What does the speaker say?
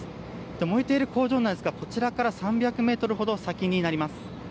燃えている工場ですがこちらから３００ｍほど先になります。